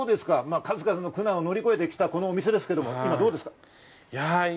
数々の苦難を経て乗り越えてきたこの店ですけど、今はどうですか？